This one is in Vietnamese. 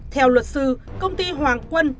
theo luật sư công ty hoàng quân